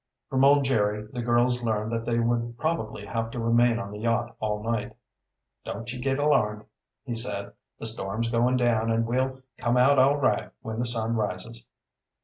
From old Jerry the girls learned that they would probably have to remain on the yacht all night. "Don't ye git alarmed," he said. "The storm's goin' down, an' we'll come out all right when the sun rises."